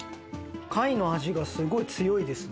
貝の味がすごい強いですね。